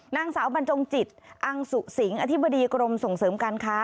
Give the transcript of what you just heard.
นางสาวบรรจงจิตอังสุสิงอธิบดีกรมส่งเสริมการค้า